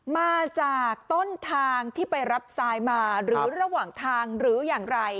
มาจากต้นทางที่ไปรับทรายมาหรือระหว่างทางหรืออย่างไร